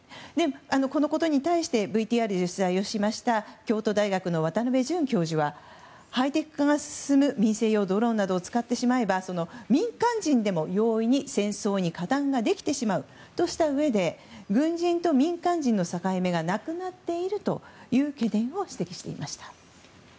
このことに対してＶＴＲで取材をしました京都大学の渡辺准教授はハイテク化が進む民生用ドローンを使ってしまえば民間人でも容易に戦争に加担ができてしまうとしたうえで軍人と民間人の境目がなくなっているという懸念を指摘していました。